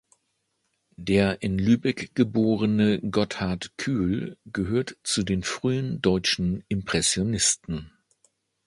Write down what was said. Der in Lübeck geborene Gotthardt Kuehl gehört zu den frühen deutschen Impressionisten.